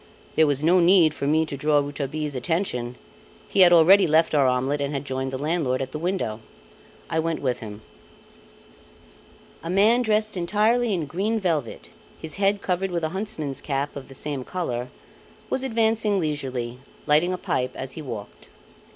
There was no need for me to draw Rouletabille's attention; he had already left our omelette and had joined the landlord at the window. I went with him. A man dressed entirely in green velvet, his head covered with a huntsman's cap of the same colour, was advancing leisurely, lighting a pipe as he walked.